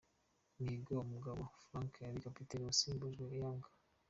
Mihigo wa Mugabo Frank wari kapiteni yasimbujwe yanga.